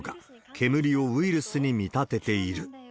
煙をウイルスに見立てている。